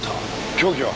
凶器は？